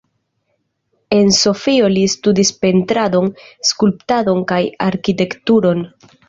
En Sofio li studis Pentradon, Skulptadon kaj Arkitekturon.